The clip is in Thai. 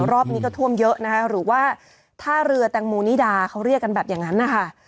รอบนี้ก็ท่วมเยอะนะคะหรือว่าท่าเรือแตงโมนิดาเขาเรียกกันแบบอย่างนั้นนะคะ